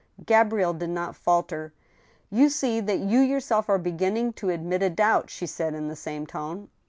Gabrielle did not falter. " You see that you yourself are beginning to admit a doubt," she said, in the same tone.